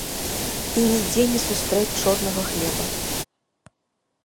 І нідзе не сустрэць чорнага хлеба.